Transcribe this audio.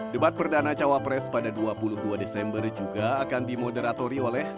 debat perdana cawapres pada dua puluh dua desember juga akan dimoderatori oleh